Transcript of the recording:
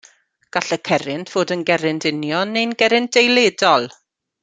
Gall y cerrynt fod yn gerrynt union neu'n gerrynt eiledol.